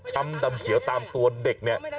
ดำเขียวตามตัวเด็กเนี่ย